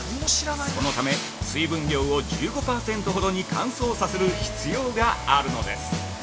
そのため、水分量を１５％ほどに乾燥させる必要があるのです。